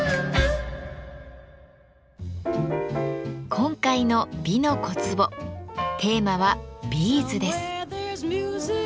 今回の「美の小壺」テーマは「ビーズ」です。